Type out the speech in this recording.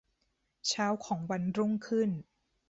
เช้าของวันรุ่งขึ้น